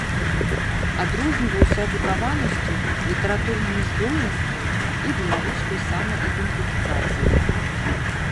Адрозніваўся адукаванасцю, літаратурнымі здольнасцямі і беларускай самаідэнтыфікацыяй.